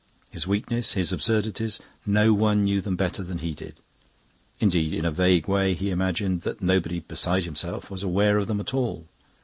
His weaknesses, his absurdities no one knew them better than he did. Indeed, in a vague way he imagined that nobody beside himself was aware of them at all.